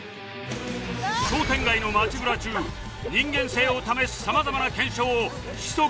商店街の街ブラ中人間性を試すさまざまな検証をひそかに実施